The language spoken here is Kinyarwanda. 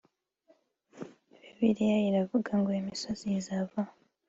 Bibiliya iravuga ngo “imisozi izavaho